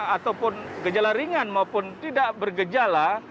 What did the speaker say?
ataupun gejala ringan maupun tidak bergejala